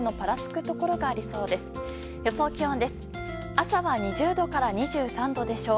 朝は２０度から２３度でしょう。